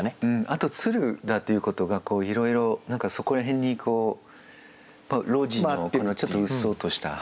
あと蔓だということがこういろいろ何かそこら辺に路地のこのちょっとうっそうとした。